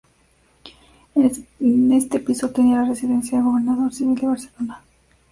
En este piso tenía la residencia el Gobernador Civil de Barcelona.